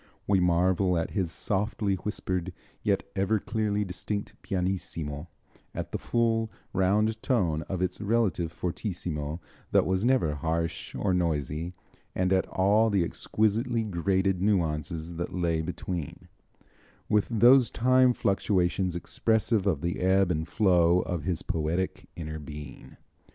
We marvel at his softly whispered, yet ever clearly distinct pianissimo, at the full, round tone of its relative fortissimo, that was never harsh or noisy, and at all the exquisitely graded nuances that lay between, with those time fluctuations expressive of the ebb and flow of his poetic inner being.